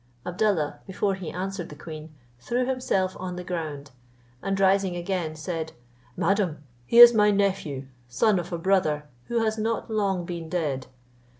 Abdallah, before he answered the queen, threw himself on the ground, and rising again, said, "Madam, he is my nephew, son of a brother, who has not long been dead.